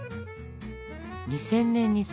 ２０００年にさ。